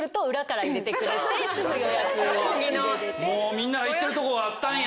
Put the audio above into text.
みんなが行ってるとこがあったんや？